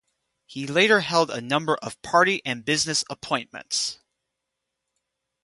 He later held a number of Party and business appointments.